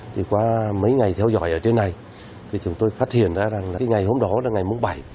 thì qua mấy ngày theo dõi ở trên này thì chúng tôi phát hiện ra rằng là ngày hôm đó là ngày mùng bảy